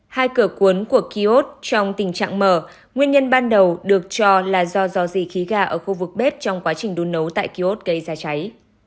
hai cửa cuốn của kiosk trong tình trạng mở nguyên nhân ban đầu được cho là do dò dì khí gà ở khu vực bếp trong quá trình đun nấu tại kiosk gây ra cháy